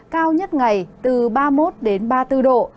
cao nhất ngày từ ba mươi một đến ba mươi bốn độ